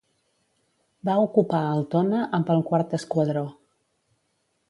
Va ocupar Altona amb el IV esquadró.